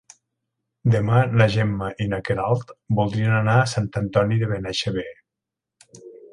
Demà na Gemma i na Queralt voldrien anar a Sant Antoni de Benaixeve.